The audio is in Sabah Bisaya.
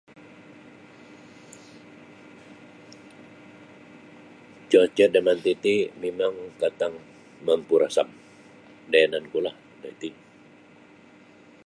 Cuaca da manti ti mimang patang mampurasam da yanan ku lah daiti.